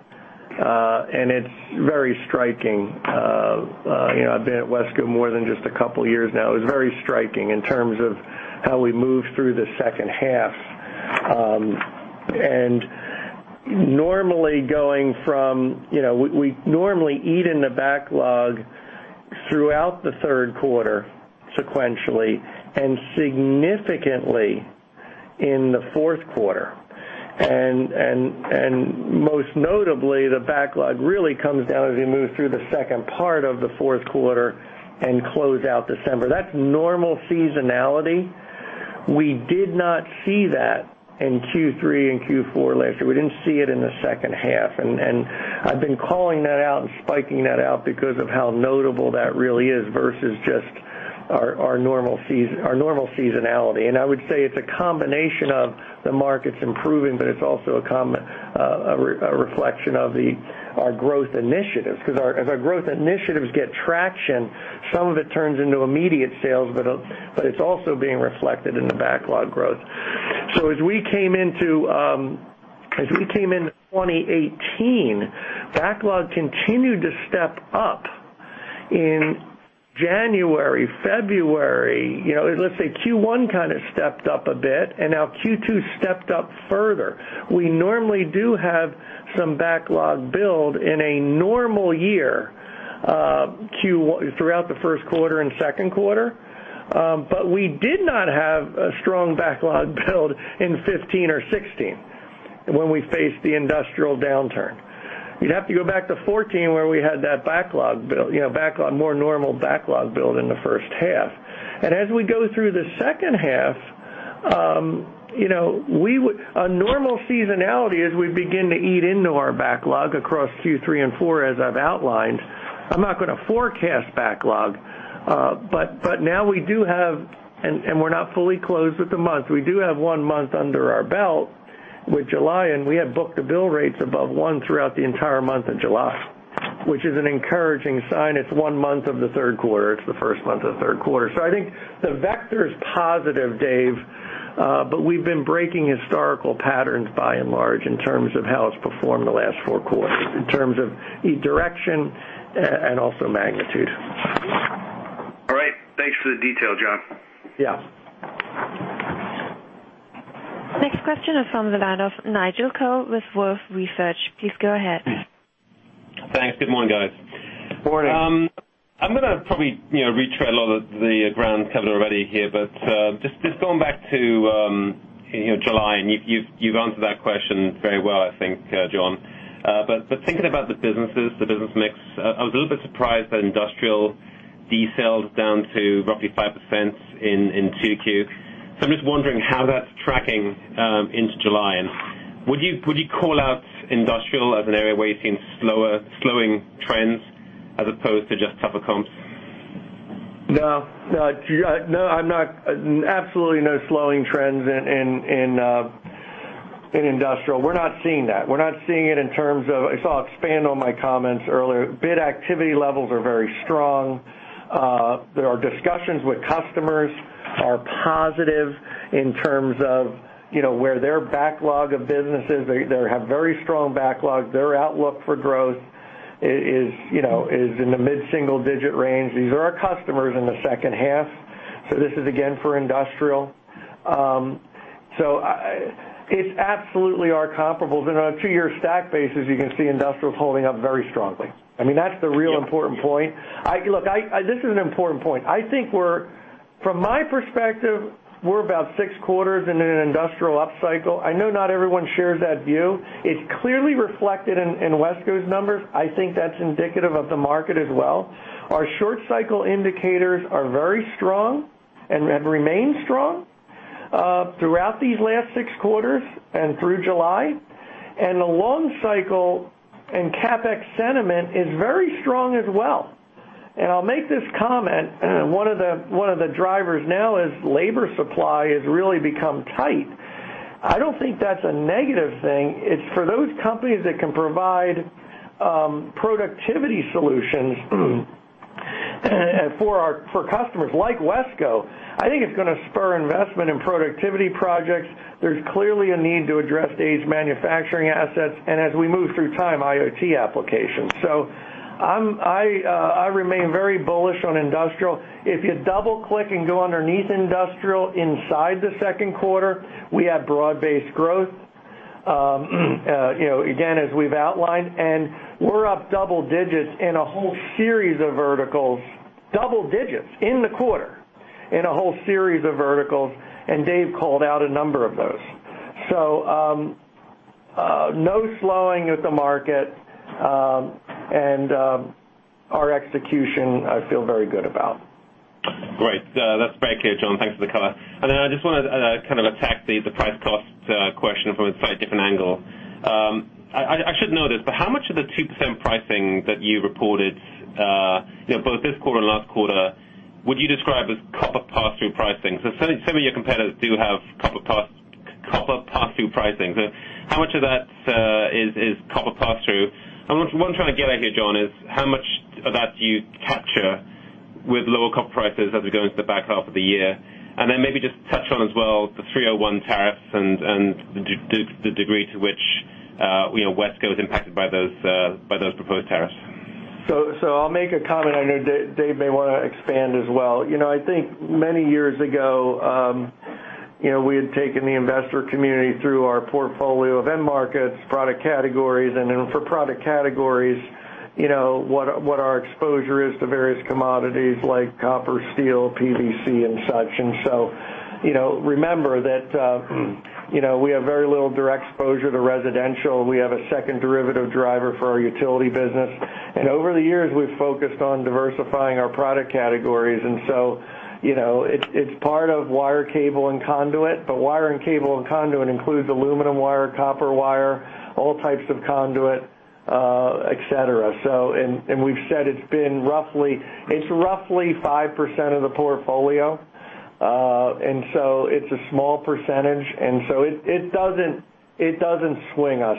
and it's very striking. I've been at WESCO more than just a couple of years now. It was very striking in terms of how we moved through the second half. We normally eat in the backlog throughout the third quarter sequentially and significantly in the fourth quarter. Most notably, the backlog really comes down as we move through the second part of the fourth quarter and close out December. That's normal seasonality. We did not see that in Q3 and Q4 last year. We didn't see it in the second half. I've been calling that out and spiking that out because of how notable that really is versus just our normal seasonality. I would say it's a combination of the markets improving, it's also a reflection of our growth initiatives. As our growth initiatives get traction, some of it turns into immediate sales, but it is also being reflected in the backlog growth. As we came into 2018, backlog continued to step up in January, February. Q1 kind of stepped up a bit, and now Q2 stepped up further. We normally do have some backlog build in a normal year throughout the first quarter and second quarter. We did not have a strong backlog build in 2015 or 2016 when we faced the industrial downturn. You would have to go back to 2014 where we had that more normal backlog build in the first half. As we go through the second half, a normal seasonality as we begin to eat into our backlog across Q3 and four, as I have outlined. I am not going to forecast backlog. Now we do have, and we are not fully closed with the month, we do have one month under our belt with July, and we have book-to-bill rates above one throughout the entire month of July, which is an encouraging sign. It is one month of the third quarter. It is the first month of the third quarter. I think the vector is positive, Dave, we have been breaking historical patterns by and large in terms of how it has performed in the last four quarters in terms of direction and also magnitude. All right. Thanks for the detail, John. Yeah. Next question is from the line of Nigel Coe with Wolfe Research. Please go ahead. Thanks. Good morning, guys. Good morning. I'm going to probably retread a lot of the ground covered already here. Just going back to July, you've answered that question very well, I think, John. Thinking about the businesses, the business mix, I was a little bit surprised that industrial decelled down to roughly 5% in 2Q. I'm just wondering how that's tracking into July. Would you call out industrial as an area where you're seeing slowing trends as opposed to just tougher comps? No. Absolutely no slowing trends in industrial. We're not seeing that. We're not seeing it. I'll expand on my comments earlier. Bid activity levels are very strong. There are discussions with customers are positive in terms of where their backlog of business is. They have very strong backlogs. Their outlook for growth is in the mid-single digit range. These are our customers in the second half. This is, again, for industrial. It's absolutely our comparables. On a two-year stack basis, you can see industrial is holding up very strongly. That's the real important point. Look, this is an important point. I think from my perspective, we're about six quarters in an industrial upcycle. I know not everyone shares that view. It's clearly reflected in WESCO's numbers. I think that's indicative of the market as well. Our short cycle indicators are very strong and have remained strong throughout these last six quarters and through July. The long cycle and CapEx sentiment is very strong as well. I'll make this comment. One of the drivers now is labor supply has really become tight. I don't think that's a negative thing. It's for those companies that can provide productivity solutions for customers like WESCO, I think it's going to spur investment in productivity projects. There's clearly a need to address aged manufacturing assets, and as we move through time, IoT applications. I remain very bullish on industrial. If you double-click and go underneath industrial inside the second quarter, we have broad-based growth, again, as we've outlined. We're up double digits in a whole series of verticals. Double digits in the quarter in a whole series of verticals, and Dave called out a number of those. No slowing at the market, and our execution, I feel very good about. Great. That's very clear, John. Thanks for the color. Then I just want to kind of attack the price cost question from a slightly different angle. I should know this, but how much of the 2% pricing that you reported, both this quarter and last quarter, would you describe as copper pass-through pricing? Some of your competitors do have copper pass-through pricing. How much of that is copper pass-through? What I'm trying to get at here, John, is how much of that do you capture with lower copper prices as we go into the back half of the year? Then maybe just touch on as well the Section 301 tariffs and the degree to which WESCO is impacted by those proposed tariffs. I'll make a comment. I know Dave may want to expand as well. I think many years ago, we had taken the investor community through our portfolio of end markets, product categories, and then for product categories, what our exposure is to various commodities like copper, steel, PVC, and such. Remember that we have very little direct exposure to residential. We have a second derivative driver for our utility business. Over the years, we've focused on diversifying our product categories. It's part of wire, cable, and conduit, but wire and cable and conduit includes aluminum wire, copper wire, all types of conduit, et cetera. We've said it's roughly 5% of the portfolio. It's a small percentage. It doesn't swing us,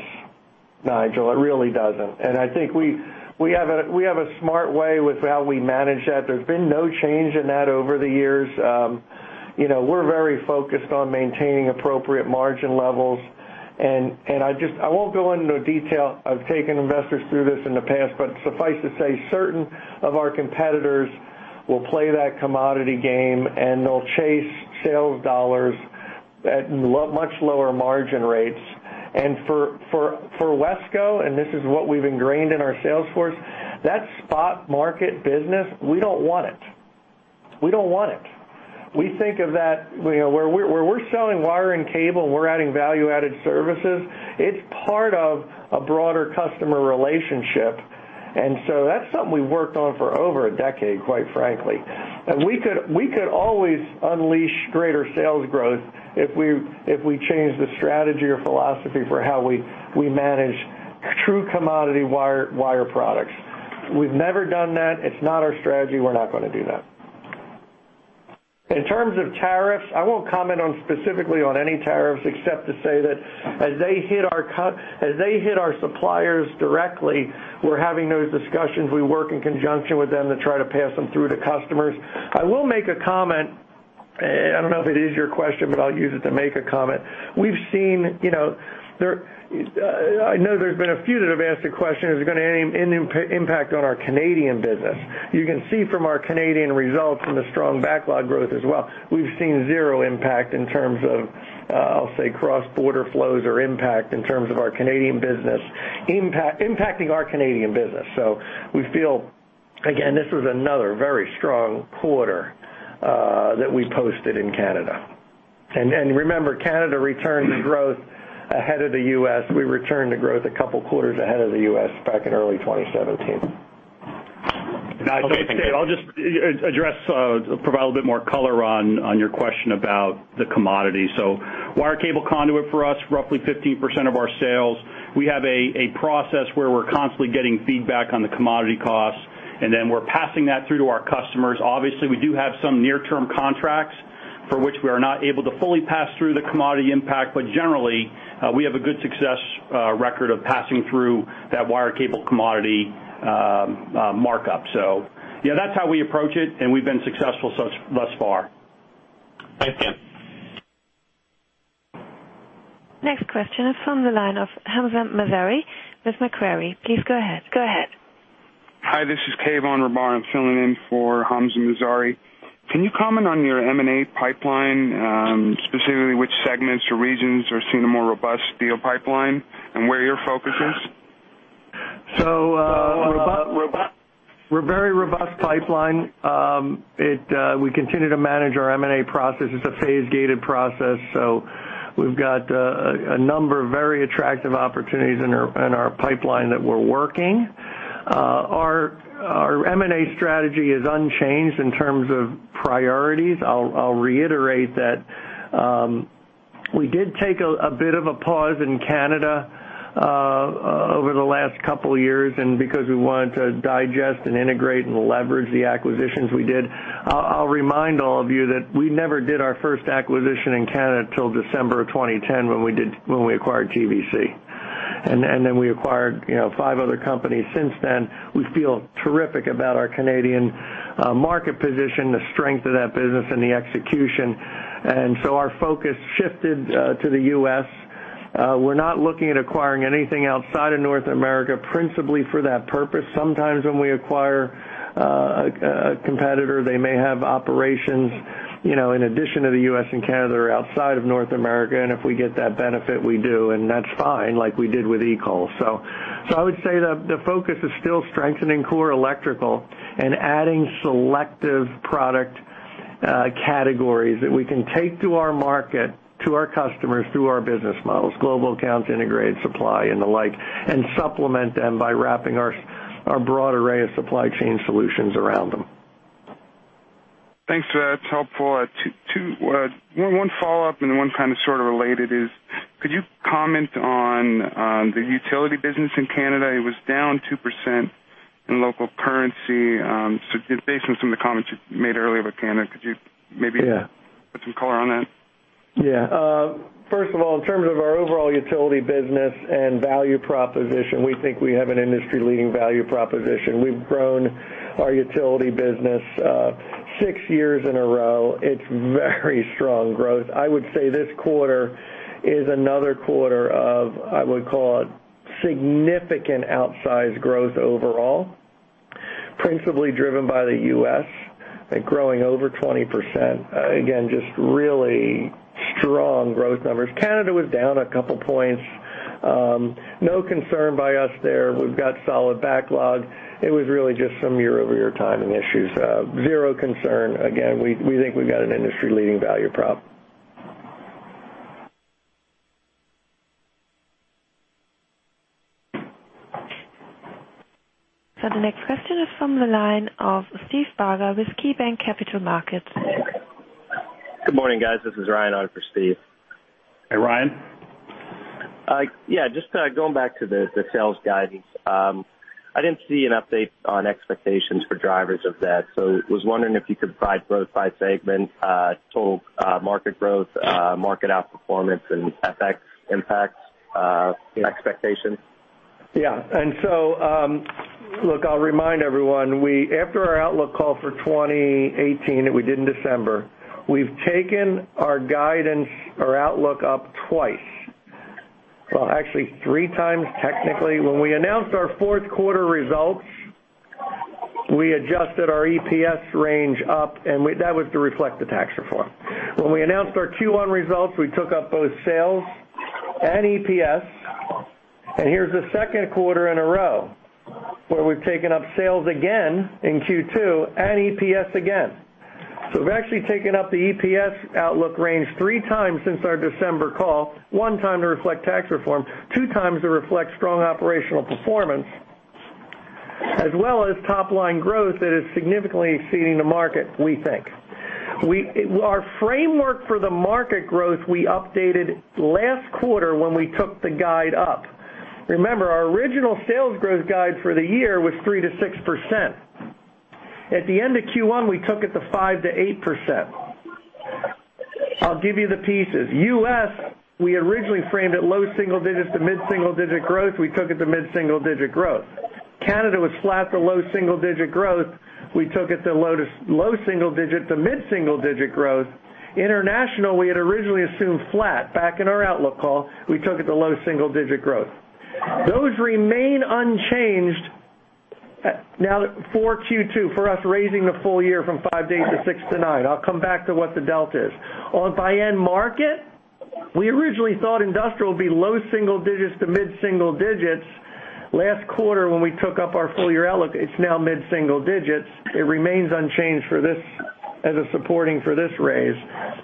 Nigel. It really doesn't. I think we have a smart way with how we manage that. There's been no change in that over the years. We're very focused on maintaining appropriate margin levels. I won't go into detail. I've taken investors through this in the past, suffice to say, certain of our competitors will play that commodity game, and they'll chase sales dollars at much lower margin rates. For WESCO, and this is what we've ingrained in our sales force, that spot market business, we don't want it. We don't want it. We think of that where we're selling wire and cable, and we're adding value-added services, it's part of a broader customer relationship. That's something we've worked on for over a decade, quite frankly. We could always unleash greater sales growth if we change the strategy or philosophy for how we manage true commodity wire products. We've never done that. It's not our strategy. We're not going to do that. In terms of tariffs, I won't comment specifically on any tariffs except to say that as they hit our suppliers directly, we're having those discussions. We work in conjunction with them to try to pass them through to customers. I will make a comment. I don't know if it is your question, I'll use it to make a comment. I know there's been a few that have asked the question, is it going to have any impact on our Canadian business? You can see from our Canadian results and the strong backlog growth as well, we've seen zero impact in terms of, I'll say, cross-border flows or impact in terms of our Canadian business. We feel Again, this is another very strong quarter that we posted in Canada. Remember, Canada returned to growth ahead of the U.S. We returned to growth a couple of quarters ahead of the U.S. back in early 2017. Dave, I'll just address, provide a bit more color on your question about the commodity. Wire cable conduit for us, roughly 15% of our sales. We have a process where we're constantly getting feedback on the commodity costs, then we're passing that through to our customers. Obviously, we do have some near-term contracts for which we are not able to fully pass through the commodity impact, generally, we have a good success record of passing through that wire cable commodity markup. Yeah, that's how we approach it, and we've been successful thus far. Thanks. Next question is from the line of Hamza Mazari with Macquarie. Please go ahead. Hi, this is Kavon Rabar. I'm filling in for Hamza Mazari. Can you comment on your M&A pipeline, specifically which segments or regions are seeing a more robust deal pipeline and where your focus is? So- Robust We're very robust pipeline. We continue to manage our M&A process. It's a phase-gated process, so we've got a number of very attractive opportunities in our pipeline that we're working. Our M&A strategy is unchanged in terms of priorities. I'll reiterate that we did take a bit of a pause in Canada over the last couple of years, because we wanted to digest and integrate and leverage the acquisitions we did. I'll remind all of you that we never did our first acquisition in Canada till December of 2010, when we acquired TVC. Then we acquired five other companies since then. We feel terrific about our Canadian market position, the strength of that business, and the execution. So our focus shifted to the U.S. We're not looking at acquiring anything outside of North America principally for that purpose. Sometimes when we acquire a competitor, they may have operations in addition to the U.S. and Canada or outside of North America. If we get that benefit, we do, and that's fine, like we did with EECOL. I would say the focus is still strengthening core electrical and adding selective product categories that we can take to our market, to our customers, through our business models, global accounts, integrated supply, and the like, and supplement them by wrapping our broad array of supply chain solutions around them. Thanks for that. It's helpful. One follow-up and one kind of sort of related is, could you comment on the utility business in Canada? It was down 2% in local currency. Based on some of the comments you made earlier about Canada, could you maybe- Yeah put some color on that? Yeah. First of all, in terms of our overall utility business and value proposition, we think we have an industry-leading value proposition. We've grown our utility business six years in a row. It's very strong growth. I would say this quarter is another quarter of, I would call it, significant outsized growth overall, principally driven by the U.S., growing over 20%. Again, just really strong growth numbers. Canada was down a couple of points. No concern by us there. We've got solid backlog. It was really just some year-over-year timing issues. Zero concern. Again, we think we've got an industry-leading value prop. The next question is from the line of Steve Barger with KeyBanc Capital Markets. Good morning, guys. This is Ryan on for Steve. Hey, Ryan. Just going back to the sales guidance. I didn't see an update on expectations for drivers of that. I was wondering if you could provide both by segment, total market growth, market outperformance, and FX impacts expectations. Look, I'll remind everyone, after our outlook call for 2018 that we did in December, we've taken our guidance or outlook up twice. Actually three times, technically. When we announced our fourth quarter results, we adjusted our EPS range up, and that was to reflect the tax reform. When we announced our Q1 results, we took up both sales and EPS. Here's the second quarter in a row where we've taken up sales again in Q2 and EPS again. We've actually taken up the EPS outlook range three times since our December call, one time to reflect tax reform, two times to reflect strong operational performance, as well as top-line growth that is significantly exceeding the market, we think. Our framework for the market growth, we updated last quarter when we took the guide up. Remember, our original sales growth guide for the year was 3%-6%. At the end of Q1, we took it to 5%-8%. I'll give you the pieces. U.S., we originally framed it low single-digits to mid-single-digit growth. We took it to mid-single-digit growth. Canada was flat to low single-digit growth. We took it to low single-digit to mid-single-digit growth. International, we had originally assumed flat back in our outlook call. We took it to low single-digit growth. Those remain unchanged now for Q2, for us raising the full year from 5% to 6%-9%. I'll come back to what the delta is. By end market, we originally thought industrial would be low single-digits to mid-single-digits. Last quarter, when we took up our full-year outlook, it's now mid-single-digits. It remains unchanged as a supporting for this raise.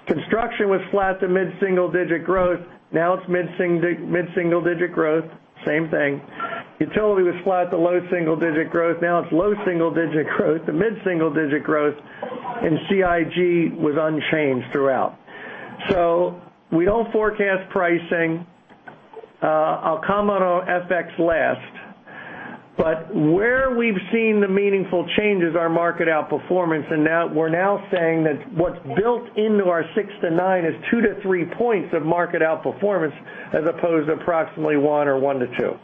Construction was flat to mid-single-digit growth. Now it's mid-single-digit growth. Same thing. Utility was flat to low single-digit growth. Now it's low single-digit growth to mid-single-digit growth. CIG was unchanged throughout. With all forecast pricing. I'll comment on FX last. Where we've seen the meaningful change is our market outperformance. We're now saying that what's built into our 6%-9% is 2-3 points of market outperformance as opposed to approximately 1 or 1-2.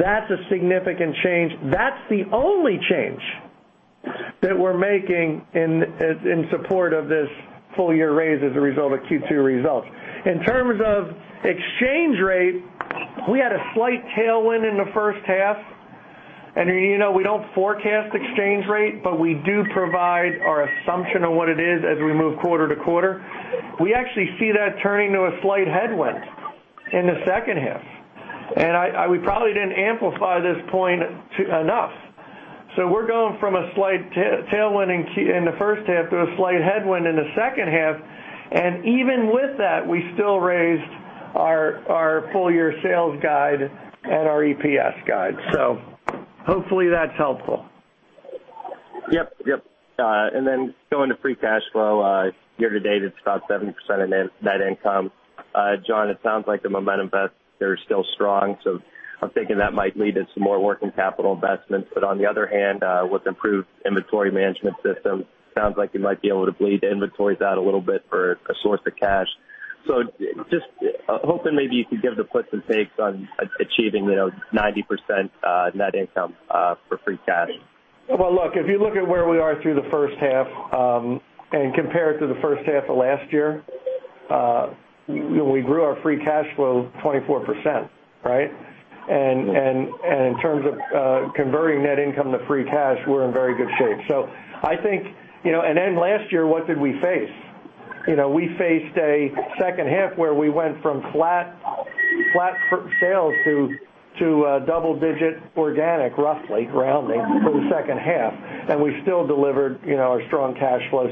That's a significant change. That's the only change that we're making in support of this full-year raise as a result of Q2 results. In terms of exchange rate, we had a slight tailwind in the first half. You know we don't forecast exchange rate, but we do provide our assumption of what it is as we move quarter-to-quarter. We actually see that turning to a slight headwind in the second half. We probably didn't amplify this point enough. We're going from a slight tailwind in the first half to a slight headwind in the second half. Even with that, we still raised our full-year sales guide and our EPS guide. Hopefully that's helpful. Yep. Going to free cash flow. Year-to-date, it's about 70% of net income. John, it sounds like the momentum bets are still strong. I'm thinking that might lead to some more working capital investments. On the other hand, with improved inventory management system, sounds like you might be able to bleed inventories out a little bit for a source of cash. Just hoping maybe you could give the puts and takes on achieving 90% net income for free cash. Look, if you look at where we are through the first half and compare it to the first half of last year, we grew our free cash flow 24%, right? In terms of converting net income to free cash, we're in very good shape. Last year, what did we face? We faced a second half where we went from flat sales to double-digit organic roughly, rounding, for the second half. We still delivered our strong cash flow.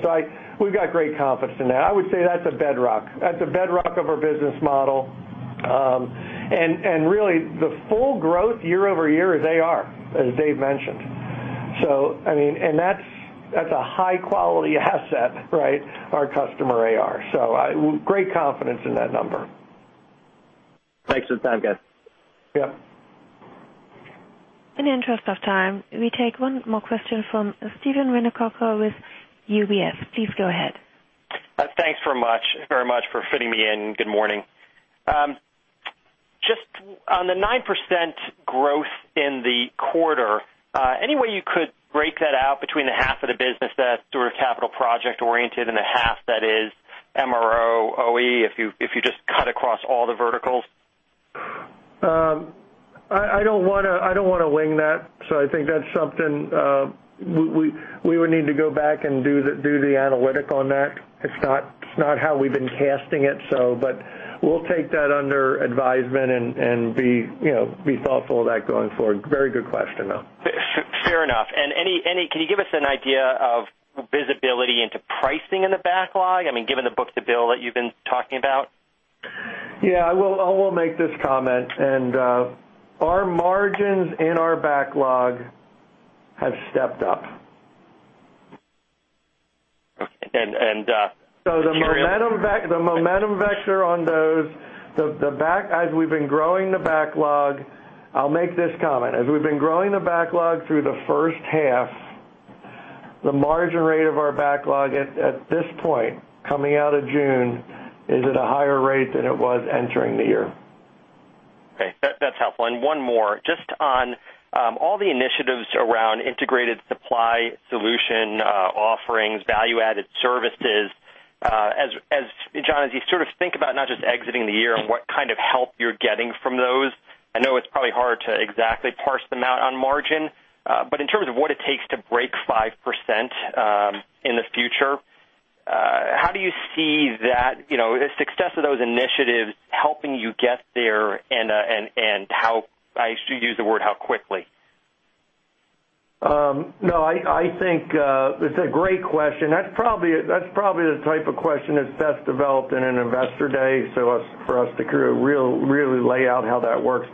We've got great confidence in that. I would say that's a bedrock. That's a bedrock of our business model. Really, the full growth year-over-year is AR, as Dave mentioned. That's a high-quality asset, right? Our customer AR. Great confidence in that number. Thanks for the time, guys. Yep. In the interest of time, we take one more question from Steven Winoker with UBS. Please go ahead. Thanks very much for fitting me in. Good morning. Just on the 9% growth in the quarter, any way you could break that out between the half of the business that's sort of capital project oriented and the half that is MRO OE, if you just cut across all the verticals? I don't want to wing that. I think that's something we would need to go back and do the analytic on that. It's not how we've been casting it. We'll take that under advisement and be thoughtful of that going forward. Very good question, though. Fair enough. Can you give us an idea of visibility into pricing in the backlog? Given the book-to-bill that you've been talking about. Yeah, I will make this comment. Our margins in our backlog have stepped up. And- The momentum vector on those. I'll make this comment. As we've been growing the backlog through the first half, the margin rate of our backlog at this point, coming out of June, is at a higher rate than it was entering the year. Okay. That's helpful. One more. Just on all the initiatives around integrated supply solution offerings, value-added services. John, as you sort of think about not just exiting the year and what kind of help you're getting from those, I know it's probably hard to exactly parse them out on margin. In terms of what it takes to break 5% in the future, how do you see the success of those initiatives helping you get there, and I should use the word how quickly? I think it's a great question. That's probably the type of question that's best developed in an investor day for us to really lay out how that works.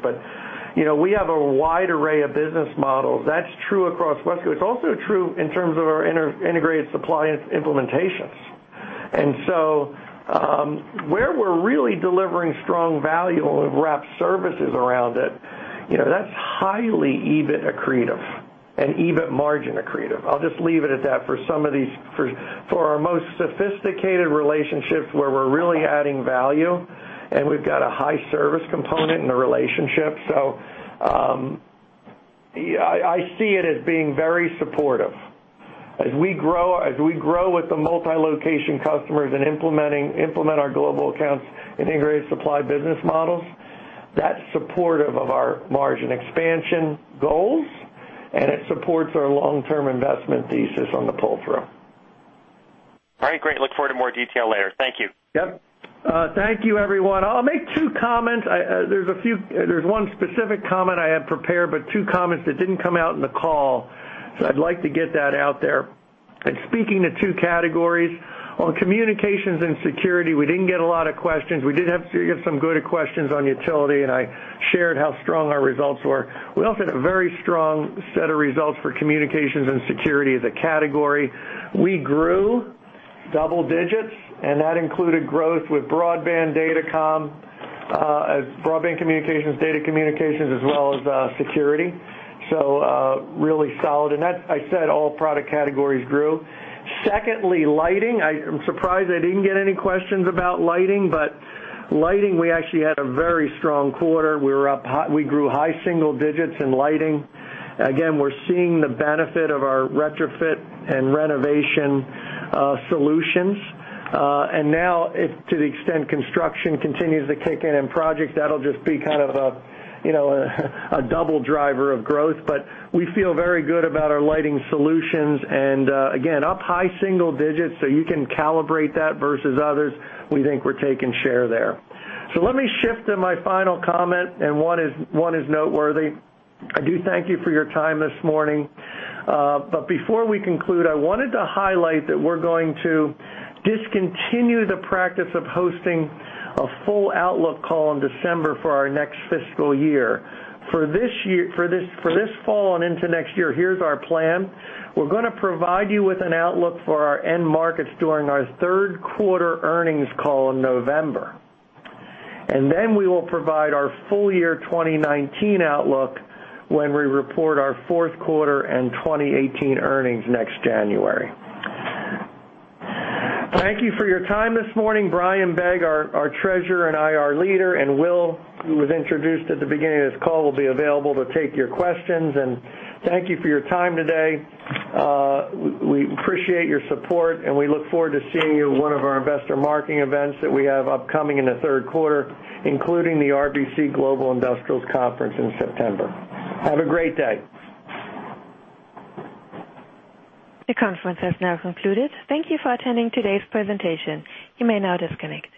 We have a wide array of business models. That's true across WESCO. It's also true in terms of our integrated supply implementations. Where we're really delivering strong value and we've wrapped services around it, that's highly EBIT accretive and EBIT margin accretive. I'll just leave it at that. For our most sophisticated relationships where we're really adding value and we've got a high service component in the relationship. I see it as being very supportive. As we grow with the multi-location customers and implement our global accounts integrated supply business models, that's supportive of our margin expansion goals, and it supports our long-term investment thesis on the pull-through. All right, great. Look forward to more detail later. Thank you. Yep. Thank you, everyone. I'll make two comments. There's one specific comment I have prepared, two comments that didn't come out in the call, so I'd like to get that out there. Speaking to two categories, on communications and security, we didn't get a lot of questions. We did have some good questions on utility, and I shared how strong our results were. We also had a very strong set of results for communications and security as a category. We grew double digits, and that included growth with broadband data comm, broadband communications, data communications, as well as security. Really solid. I said all product categories grew. Secondly, lighting. I'm surprised I didn't get any questions about lighting, we actually had a very strong quarter. We grew high single digits in lighting. Again, we're seeing the benefit of our retrofit and renovation solutions. Now, to the extent construction continues to kick in and projects, that'll just be kind of a double driver of growth. We feel very good about our lighting solutions and again, up high single digits, so you can calibrate that versus others. We think we're taking share there. Let me shift to my final comment, and one is noteworthy. I do thank you for your time this morning. Before we conclude, I wanted to highlight that we're going to discontinue the practice of hosting a full outlook call in December for our next fiscal year. For this fall and into next year, here's our plan. We're going to provide you with an outlook for our end markets during our third quarter earnings call in November. Then we will provide our full year 2019 outlook when we report our fourth quarter and 2018 earnings next January. Thank you for your time this morning. Brian Begg, our Treasurer and IR leader, and Will, who was introduced at the beginning of this call, will be available to take your questions. Thank you for your time today. We appreciate your support, and we look forward to seeing you at one of our investor marketing events that we have upcoming in the third quarter, including the RBC Global Industrials Conference in September. Have a great day. The conference has now concluded. Thank you for attending today's presentation. You may now disconnect.